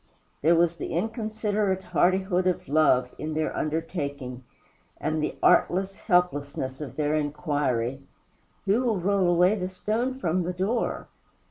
There was the inconsiderate hardihood of love in their undertaking, and the artless helplessness of their inquiry, "Who will roll away the stone from the door?"